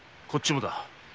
こっちもだ。